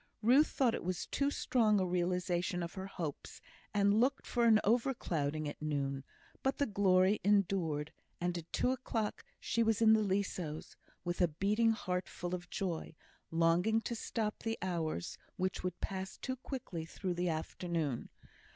Ruth thought it was too strong a realisation of her hopes, and looked for an over clouding at noon; but the glory endured, and at two o'clock she was in the Leasowes, with a beating heart full of joy, longing to stop the hours, which would pass too quickly through the afternoon.